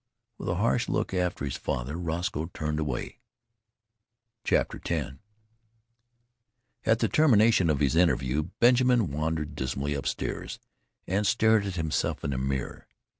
With a harsh look at his father, Roscoe turned away.... X At the termination of this interview, Benjamin wandered dismally upstairs and stared at himself in the mirror.